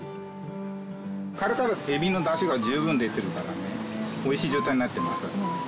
殻からえびのだしが十分に出てるからねおいしい状態になってます。